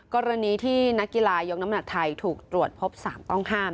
กรณีที่นักกีฬายกน้ำหนักไทยถูกตรวจพบสารต้องห้าม